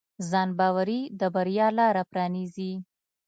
ځانباوري د بریا لاره پرانیزي.